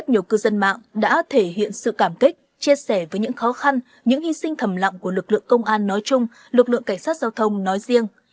nhiều cư dân mạng đã thể hiện sự cảm kích chia sẻ với những khó khăn những hy sinh thầm lặng của lực lượng công an nói chung lực lượng cảnh sát giao thông nói riêng